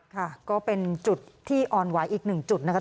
ค่ะก็เป็นจุดที่อ่อนไหวอีกหนึ่งจุดนะครับ